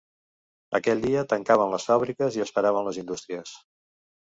Aquell dia tancaven les fàbriques i es paraven les indústries.